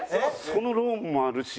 そのローンもあるし。